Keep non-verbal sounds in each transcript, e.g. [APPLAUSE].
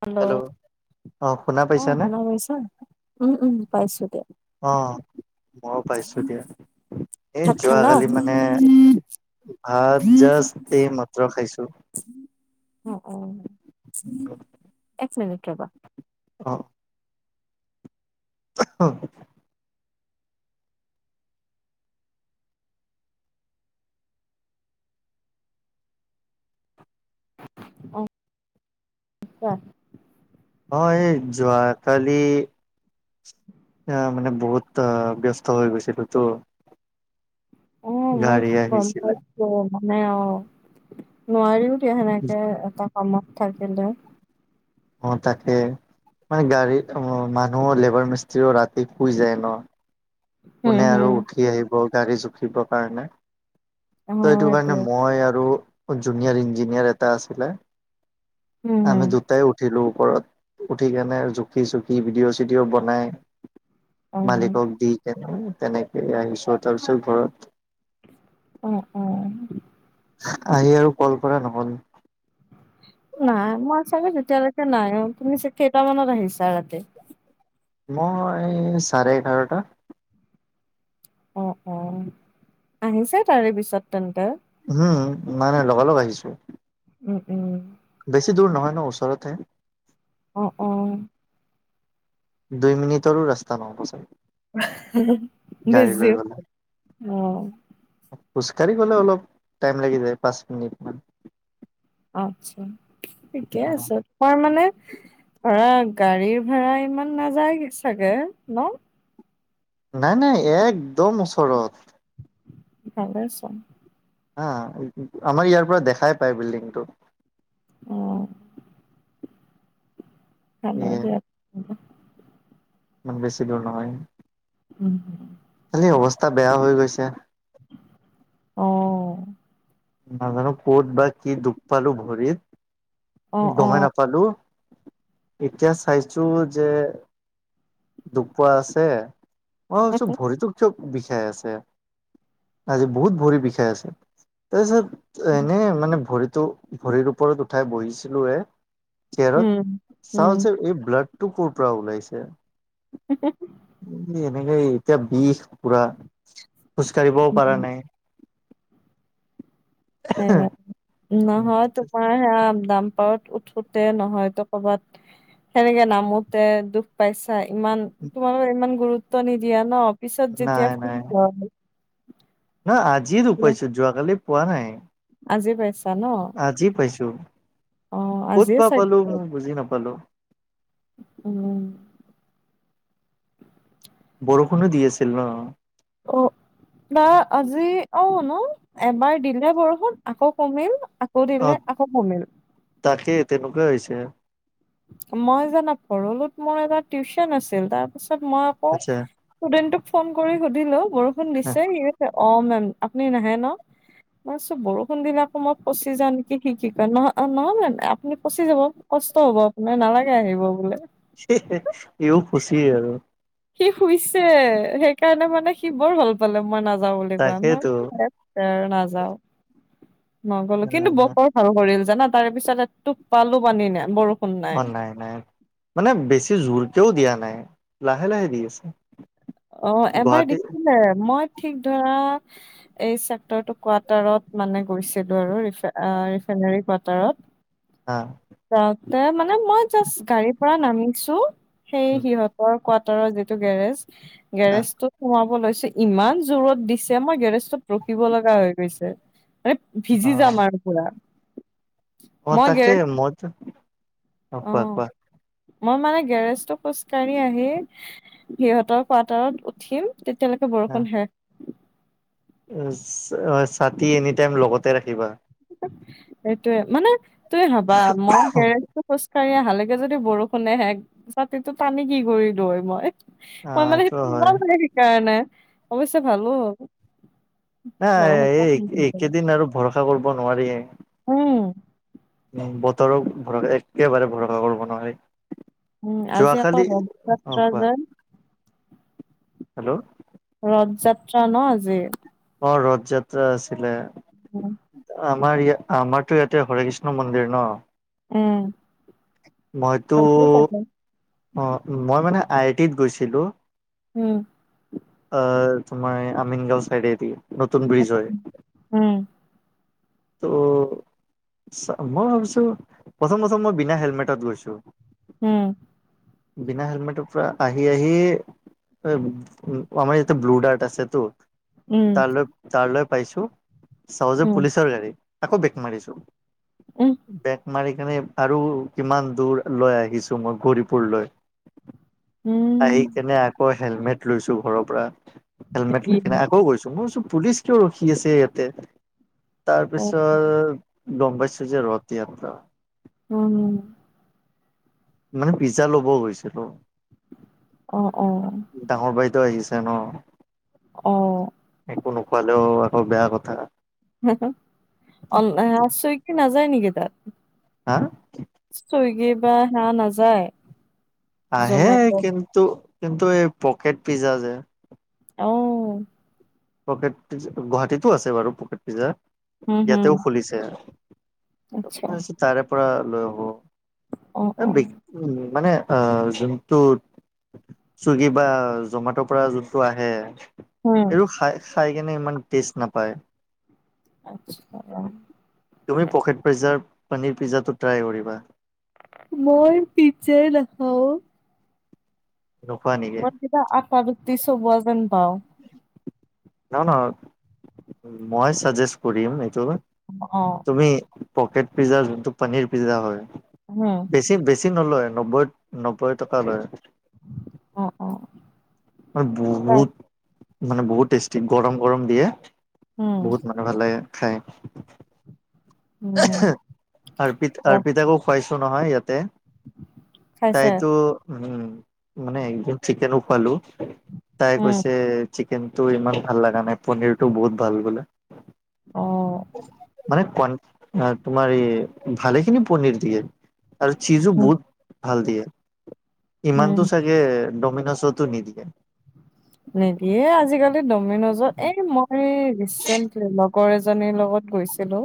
Hello. অ' শুনা পাইছানে? শুনা পাইছা উম উম পাইছো দিয়া অ'। ময়ো পাইছো দিয়া, এই ভাত খালা যোৱাকালি মানে ভাত জাষ্ট এই মাত্ৰ খাইছো। অ-অ এক মিনিট ৰবা। অ'। অ [UNINTELLIGIBLE] অ [UNINTELLIGIBLE] কোৱা। অ এই যোৱাকালি এ মানে বহুত আ ব্যস্ত হৈ গৈছিলো তো। উ মই গাড়ী গম আহিছিলে পাইছো, মানে অ নোৱাৰিও দিয়া সেনেকে, এটা কামত থাকিলে। অ তাকে, মানে গাড়ী, অ, মানুহ লেবাৰ মিস্ত্ৰীও ৰাতি শুই যায় ন। হম কোনে আৰু হম উঠি আহিব গাড়ী জুখিবৰ কাৰণে। অ ত' এইটো কাৰণে সেইটোৱে মই আৰু জুনিয়ৰ ইঞ্জিনিয়াৰ এটা আছিলে হম আমি দুটাই উঠিলো ওপৰত উঠি কেনে জুখি চুখি ভিডিঅ' চিডিঅ' বনাই, হম মালিকক দি [UNINTELLIGIBLE] তেনেকে আহিছো, তাৰপিছত ঘৰত অ অ। আহি আৰু কল কৰা নহ'ল। নাই মই চাগে তেতিয়ালৈকে নাই অ, তুমি কেইটামানত আহিছা ৰাতি? মই চাৰে এঘাৰটা। অ' অ', আহিছে তাৰে পিছত তেন্তে। উম, মানে লগা লগ আহিছো। উম উম। বেছি দূৰ নহয় ন, ওচৰতে। অ' অ'। দুই মিনিটৰো ৰাস্তা নহব চাগে। [UNINTELLIGIBLE] গাড়ী বেছি, লৈ গ'লে অ'। খোজকাঢ়ি গলে অলপ টাইম লাগি যায়, পাঁচ মিনিট মান। আচ্ছ, ঠিকে আছে। মই মানে, ধৰা গাড়ীৰ ভাড়া ইমান নাযায় চাগে, ন। নাই নাই, একদম ওচৰত। ভালে চোন। হা, আমাৰ ইয়াৰ পৰা দেখাই পায় বিল্ডিংটো। অ [UNINTELLIGIBLE] ভালেই সেয়ে দিয়া [UNINTELLIGIBLE] মানে বেছি দূৰ নহয়। উম [UNINTELLIGIBLE] খালি অৱস্থা বেয়া হৈ গৈছে। অ'। নাজানো, ক'ত বা কি দুখ পালো ভৰিত। অ অ গমেই নাপালো, এতিয়া চাইছো যে দুপ পোৱা আছে, অ মই ভাবিছোঁ ভৰিতো চব বিষাই আছে, আজি বহুত ভৰি বিষাই আছে, তাৰপিছত উম এনেই মানে ভৰিতো, ভৰিৰ ওপৰত উঠাই বহিছিলো চেয়াৰত, উম চাও উম যে এই ব্লডটো কৰ পৰা ওলাইছে। উম এনেকা এ' এতিয়া বিষ পুৰা খোজ কাঢ়িবও পাৰা নাই। সে নহয় তোমাৰ সেয়া দামপাৰত উঠোতে নহয়তো কবাত সেনেকে নামোতে দুখ পাইছা ইমান তোমালোকৰ ইমান গুৰুত্ব নিদিয়া ন পিছত যেতিয়া নাই ফ্ৰী নাই হয় নহ আজিৰ দোষ তেতিয়া পাইছো যোৱাকালি পোৱা নাই। আজি পাইছ আজি পাইছো অ ক'ত আজিয়ে বা চাগে পালো মই বুজি নাপালো। উম বৰষুণো দি আছিল ন অ বা আজি অ ন এবাৰ দিলে বৰষুণ আকৌ কমিল আকৌ অ দিলে আকৌ কমিল তাকে তেনেকুৱা হৈছে। মই জানা পৰলোত মোৰ এটা টিউচন আছিল তাৰ পাছত মই আকৌ আচ্ছা ষ্টুডেণ্টটোক ফোন কৰি সুধিলো বৰষুণ দিছে নি আ অ মেম আপুনি নাহে ন? মই কৈছো বৰষুণ দিনা আকৌ মই ফচি যাও নেকি, সি কি কয় নহ নহয় মেম আপুনি ফচি যাব। কষ্ট হ'ব আপোনাৰ নালাগে আহিব বোলে। এইয়ো খুচিয়ে আৰু সি শুইছে সেইকাৰণে মানে সি বৰ ভাল পালে মই নাযাওঁ বুলি কোৱা। তাকেইতো মই নাযাও নগলো কিন্তু বতৰ ভাল কৰিল জানা তাৰে পিছত এটোপালো পানী নাই বৰ অ নাই নাই। মানে বেছি জোৰকেও দিয়া নাই লাহে লাহে দি আছে। অ এবাৰ গুৱাহাটী দিছিলে মই ঠিক ধৰা এই চেক্টৰটো কোৱাটাৰত মানে গৈছিলো আৰু ৰি এ আহ ৰিফাইনেৰী কোৱাটাৰত আ যাওঁতে মানে মই জাষ্ট গাড়ীৰ পৰা নামিছো সেই উম সিহঁত পৰৰ কোৱাৰটাৰৰ যিটো গেৰেজ হা গেৰেজটো সোমাব লৈছে ইমান জোৰত দিছে আমাৰ গেৰেজটোত ৰখিব লগা হৈ গৈছে। মানে অ ভিজি যাম আৰু পুৰা। অ মই তাকে গেৰেজ মইতো অ কোৱা কোৱা মই মানে গেৰেজটো খোজকাঢ়ি আহি ইহঁতৰ কোৱাটাৰত উঠিম তেতিয়ালৈকে বৰষুণ শেষ। উম অ ছা ছাতি এনিটাইম লগতে ৰাখিবা। সেইটোৱে মানে তুমি ভাবা মই গেৰেজটো খোজ কাঢ়ি আহালৈকে যদি বৰষুণে শেষ ছাতিটো টানি কি কৰিলোঁ হয় মই অ মই মানে সেইট এইটো হয় মই মানে সেইকাৰণে অৱশ্যে ভালো হ'ল। নাই এই বৰষুণজাক এই নিদিলে। একেদিন আৰু ভৰসা কৰিব নোৱাৰি। উম উম বতৰক ভৰসা একেবাৰে ভৰসা কৰিব নোৱাৰি। উম আজি আকৌ যোৱাকালি ৰথ অ যাত্ৰা কোৱা যেন হেল্ল' ৰথ যাত্ৰা ন আজি অ, ৰথ যাত্ৰা আছিলে। হয় [UNINTELLIGIBLE] আমাৰ ইয়া আমাৰতো ইয়াতে হৰে কৃষ্ণ মন্দিৰ ন। উম মইতো হয়তো চাগে অ মই মানে আই আই টিত গৈছিলো। উম আহ, তোমাৰ আমিনগাঁও চাইডেদি নতুন ব্ৰিজ হয়। উম ত', ছা মই ভাবিছো, প্ৰথম প্ৰথম মই বিনা হেলমেটত গৈছো উম। বিনা হেলমেটৰ পৰা আহি-আহি এ বুব উম আমাৰ ইায়াতে ব্লু-ডাৰ্ট আছেতো। উম তালৈ তালৈ পাইছো, চাওঁ যে উম পুলিচৰ গাড়ী, আকৌ বেক মাৰিছো। [UNINTELLIGIBLE] বেক মাৰি কেনে আৰু কিমান দূৰ লৈ আহিছো মই, গৌৰীপুৰলৈ। উম আহি কেনে আকৌ হেলমেট লৈছো ঘৰৰ পৰা। হেলমেট লৈ কিনে আকৌ গৈছো, মই ভাবিছো পুলিচ কিয় ৰখি আছে ইয়াতে উম তাৰপিছত গম পাইছো যে ৰথ যাত্ৰা। উম। মানে পিজ্জা ল'ব গৈছিলো। অ'-অ'হ। ডাঙৰ বাইদো আহিছে ন। অ'। একো নোখোৱালেও আকৌ বেয়া কথা। [UNINTELLIGIBLE] অনলাইন স্বিগী নাযায় নেকি তাত? হা? চুইগী বা সেয়া নাযায়? আহে জমেট' কিন্তু, কিন্তু এই পকেট পিজ্জা যে অ'হ। পকেট পিজ্জা, গুৱাহাটীতো আছে বাৰু পকেট পিজ্জা, হুম, হুম, ইয়াতেও খুলিছে। আচ্ছা। তাৰে পৰা লৈ আহো অ', [UNINTELLIGIBLE] মানে আহ যোনটো চুইগী বা জমটোৰ পৰা যোনটো আহে হুম, হেতো খাই, খাই কেনে ইমান টেষ্ট নাপায়। আচ্ছা [UNINTELLIGIBLE] তুমি পকেট প্ৰেজাৰ, পনীৰ পিজ্জাটো ট্ৰাই কৰিবা। মই পিজ্জাএ নেখাওঁ। নোখোৱা নেকি? কিবা আটা ৰুটি চবোৱা যেন পাওঁ। ন-ন মই চাজেষ্ট কৰিম এইটো। অ', তুমি পকেট পিজ্জা, যোনটো পনীৰ পিজ্জা হয় হ'ম। বেছি, বেছি নলয় নব্বৈ নব্বৈ টকা লয়। অ' অ'। মানে হয়, বহুত, মানে বহুত টেষ্টি, গৰম-গৰম দিয়ে, উম, বহুত মানে ভালাগে খাই, উম, আৰৰ্ পিত আৰ্ পিতাকো খুৱাইছো [UNINTELLIGIBLE] নহয় ইয়াতে, খাইছে তাইতো উম, মানে একদম চিকেনো খোৱালো, তাই উম, কৈছে চিকেনতটো ইমান ভাল লগা নাই, পনিৰটো বহুত ভাল বোলে। অ'হ। মানে, ক তোমাৰ এই ভালেখিনি পনীৰ দিয়ে। আৰু চিজো হুম, বহুত ভাল দিয়ে, হুম, ইমানতো চাই [UNINTELLIGIBLE] চাগে ডমিনোছতো নিদিয়ে। নিদিয়ে আজিকালি দমিনজত এই মই ৰিচেণ্টলি অলপ [UNINTELLIGIBLE] কৰ এজনীৰ লগত গৈছিলো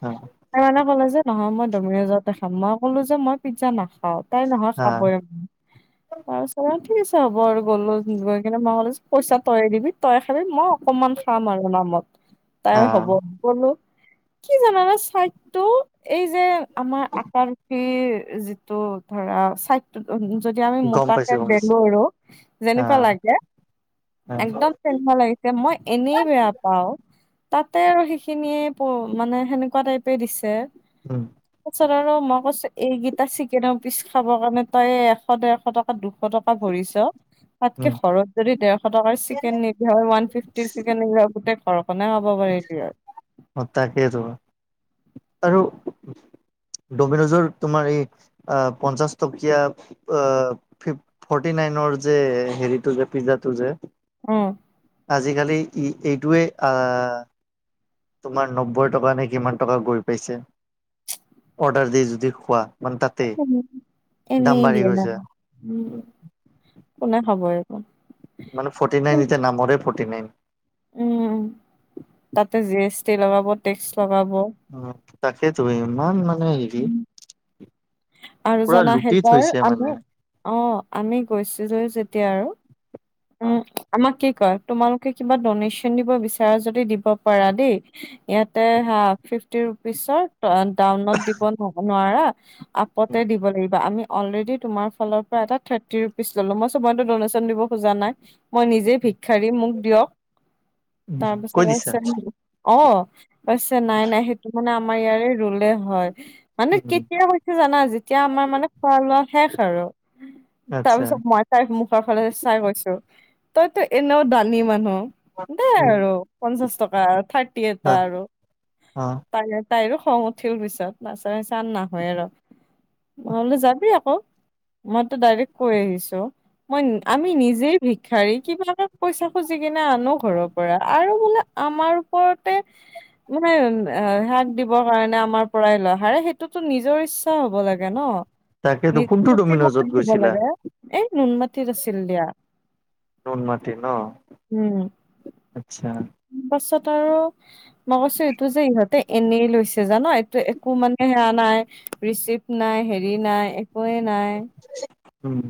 হয়। তাই মানে ক'লে যে, নহয় মই ডমিৰেজতে খাম, মই কলো যে মই পিজ্জা নাখাওঁ তাই নহয় খাবই, হা [UNINTELLIGIBLE] তাৰপিছত অ ঠিক আছে হ'ব আৰু গলো, গৈ সেইকাৰে [UNINTELLIGIBLE] পইচা তইয়ে দিবি তইে খাবি মই অকনমান খাম আৰু নামত তাই হ'ব। কলোঁ, কি জানানে চাইদটো এই যে আমাৰ আপাৰ যিটো ধৰা যদি আমি গম মোতাকে পাইছো গম বেলোঁ পাইছো আৰু, হা যেনেকুৱা লাগে হা একদম তেনেুৱা লাগিছে মই এনেই বেয়া পাওঁ। তাতে আৰু সেইখিনিয়ে মানে সেনেকুৱা টাইপে দিছে। উম। তাৰপাছত আৰু মই কৈছোঁ এইকেইটা চিকেনৰ পিচ খাব কাৰণে তই এশ দেৰশ টকা তাত দুশ টকা ভৰিছ। তাতকে উম ঘৰত যদি দেৰশ টকাৰ চিকেন নিলী হয়, ওৱান ফিফটিৰ চিকেন নিলী হয়, গোটেই ঘৰখনে খাব পাৰিলে হয়। টকেটো। আৰু ডমিনজৰ তোমাৰ এই আহ পঞ্চাশ টকীয়া অ, গিফ্ট ফৰ্টি নাইনৰ যে হেৰিটো যে পিজ্জাটো যে? উম। আজিকালি ই এইটোৱে আহ তোমাৰ নব্বৈ টকা নে কিমান টকা গৈ পাইছে, অৰ্ডাৰ দি যদি খোৱা। মানে তাতে দাম এনেই বাঢ়ি দিয়ে নাম। গৈছে উম, কোনে খাব এটো? মানে ফৰ্টি নাইন এতিয়া নামৰে ফটি নাইন। উম, তাতে জি এছ টি লগাব টেক্স লগাব। অ, তাকেই তো ইমান মানে [UNINTELLIGIBLE] আৰু পুৰা জানা লুটি সেইবাৰ থৈছে মানে। আমি অ', আমি গৈছিলোঁ যেতিয়া আৰু। উম, আমাক কি কয় তোমালোকে কিবা ড'নেশ্যন দিব বিচাৰা যদি দিব পাৰা দেই। ইয়াতে হা, ফিফটি ৰুপিচৰ। তৰন ডাউনত দিব নোৱাৰা আপতে দিব লাগিব। কিবা আমি অলৰেডি তোমাৰ ফানৰ পৰা এটা থাৰ্টি ৰুপিচ ললোঁ, মই কৈছোঁ মইতো দনেচন দিব খোজা নাই, মই নিজে ভিক্ষাৰী মোক দিয়ক। কৈ তাৰপিছত দিছা অ', কছে নাই-নাই সেইটো মানে আমাৰ ইয়াৰে ৰুলে হয় মানে উম কেতিয়া জানা যেতিয়া আমাৰ মানে খোৱা লোৱা শেষ আৰু। আচ্ছা তাৰপিছত মই তাৰ মুখৰ ফালে চাই কৈছোঁ, তইতো এনেও দানি মানুহ দেই উম আৰু পঞ্চাশ টকা থাৰ্টি অ এটা আৰু। অ তেতিয়া তাইৰো খং উঠিল পিছত [UNINTELLIGIBLE] নাহুৱে ৰ। মই বোলোঁ যাবি আকৌ। মইতো ডাইৰেক্ট কৈ আহিছোঁ। মই আমি নিজেই ভিক্ষাৰী [UNINTELLIGIBLE] পইচা খুজি কিনে আনো ঘৰৰ পৰা আৰু বোলা আমাৰ ওপৰতে মানে হিয়াক দিবৰ কাৰণে আমাৰ পৰাই লৈ। হাৰে সেইটোতো নিজৰ ইচ্ছা হব লাগে ন তাকেতো নিজি কোনটো [UNINTELLIGIBLE] মতে ডমিনজত দিব গৈছিলা? লাগে। এই নুনমাটিত আছিল দিয়া। নুনমাটিত ন? উম আচ্ছা। পাছত আৰু মই কৈছোঁ এইটো যে ইহঁতে এনেই লৈছে জানা, এইটো একো মানে সেয়া নাই ৰিচিপট নাই হেৰি নাই একোৱেই নাই। উম।